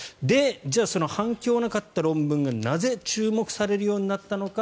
じゃあその反響がなかった論文がなぜ注目されるようになったのか。